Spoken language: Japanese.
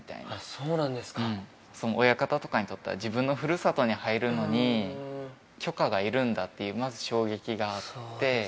その親方にとっては、自分のふるさとに入るのに許可がいるんだっていう、まず衝撃があって。